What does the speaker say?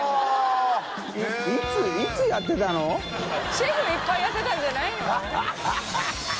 シェフいっぱいやってたんじゃないの？